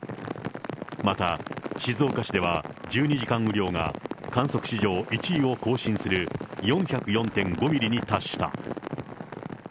また、静岡市では１２時間雨量が観測史上１位を更新する４０４．５ミリに達した。